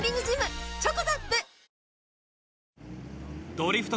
ドリフト